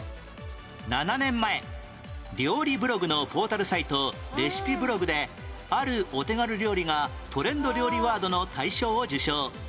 ７年前料理ブログのポータルサイトレシピブログであるお手軽料理がトレンド料理ワードの大賞を受賞